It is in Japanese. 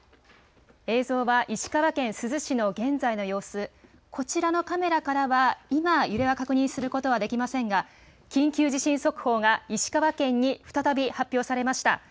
映像は石川県珠洲市の現在の様子、こちらのカメラからは今揺れは確認することはできませんが緊急地震速報が石川県に再び発表されました。